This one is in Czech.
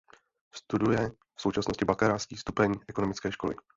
Studuje v současnosti bakalářský stupeň ekonomické školy.